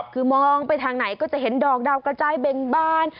คือมองไปทางไหนก็จะเห็นดอกดาวกระจายเบ่งบาน